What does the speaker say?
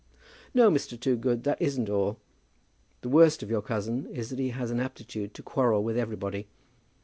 "No, Mr. Toogood; that isn't all. The worst of your cousin is that he has an aptitude to quarrel with everybody.